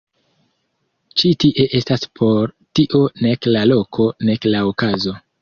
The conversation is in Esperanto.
Ĉi tie estas por tio nek la loko, nek la okazo.